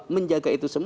menjaga itu semua